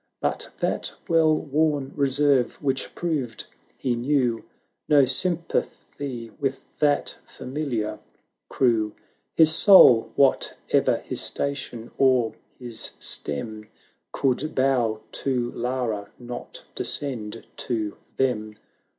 But that well worn reserve which proved he knew 570 Xo sympathy with that familiar crew: His soul, whate'er his station or his stem, Could bow to Lara, not descend to them.